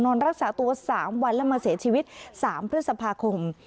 นอนรักษาตัว๓วันแล้วมาเสียชีวิต๓พฤษภาคม